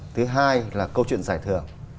thứ hai là câu chuyện giải thưởng